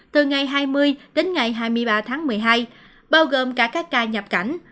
từ ngày hai mươi đến ngày hai mươi ba tháng một mươi hai bao gồm cả các ca nhập cảnh